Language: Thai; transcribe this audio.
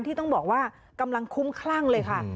ที่ต้องบอกว่ากำลังคุ้มคลั่งเลยค่ะ